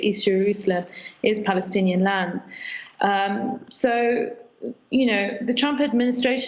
east jerusalem adalah tanah palestina jadi anda tahu pemerintah trump lebih dari